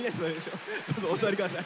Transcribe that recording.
どうぞお座り下さい。